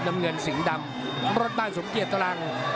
น้ำเงินสิงห์ดำรถบ้านสมเกียจตรัง